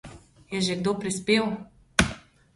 Je že kdo prispel?